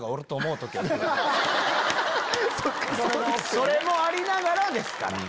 それもありながらですから。